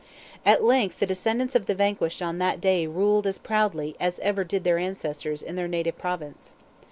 At length the descendants of the vanquished on that day ruled as proudly as ever did their ancestors in their native Province.